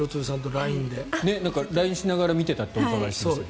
ＬＩＮＥしながら見ていたってお伺いしましたけど。